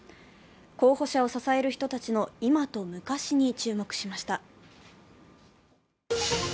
候補者を支える人たちの今と昔に注目しました。